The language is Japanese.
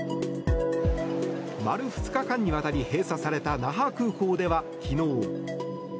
丸２日間にわたり閉鎖された那覇空港では昨日。